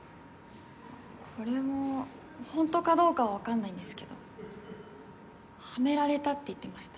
これもほんとかどうかはわかんないんですけどはめられたって言ってました。